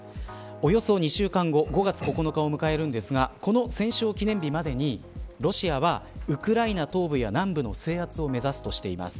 およそ２週間後５月９日を迎えるんですがこの戦勝記念日までに、ロシアはウクライナ東部や南部の制圧を目指すとしています。